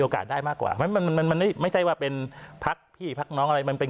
โอกาสได้มากกว่ามันไม่ใช่ว่าเป็นภักด์พี่ภักด์น้องมันเป็น